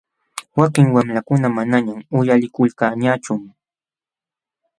Wakin wamlakuna manañaq uyalikulkanñachum.